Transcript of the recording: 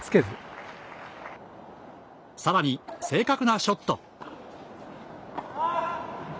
さらに正確なショット。